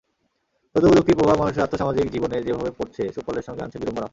তথ্যপ্রযুক্তির প্রভাব মানুষের আর্থসামাজিক জীবনে যেভাবে পড়ছে, সুফলের সঙ্গে আনছে বিড়ম্বনাও।